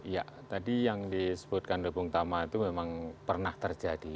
ya tadi yang disebutkan dubung tama itu memang pernah terjadi